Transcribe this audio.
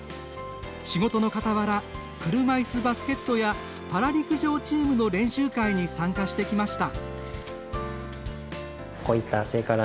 仕事のかたわら車いすバスケットやパラ陸上チームの練習会に参加してきました。